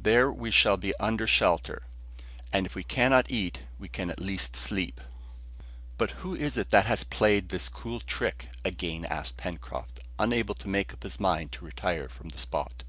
There we shall be under shelter, and if we cannot eat, we can at least sleep." "But who is it that has played us this cool trick?" again asked Pencroft, unable to make up his mind to retire from the spot.